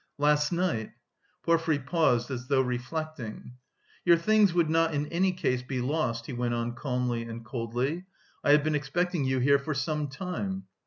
"Last night." Porfiry paused as though reflecting. "Your things would not in any case be lost," he went on calmly and coldly. "I have been expecting you here for some time."